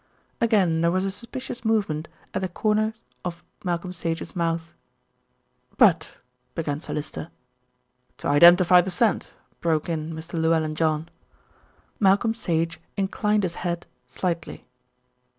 Again there was a suspicious movement at the corners of Malcolm Sage's mouth. "But " began Sir Lyster. "To identify the scent?" broke in Mr. Llewellyn John. Malcolm Sage inclined his read slightly.